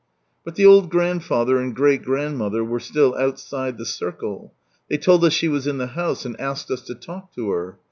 But the old grandfather and great grandmother were still outside the circle. They told us she was in the house, and asked us to talk to her.